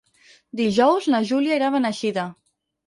Dijous na Júlia irà a Beneixida.